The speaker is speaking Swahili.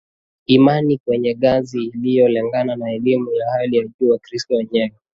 imani kwenye ngazi inayolingana na elimu ya hali ya juu Wakristo wenye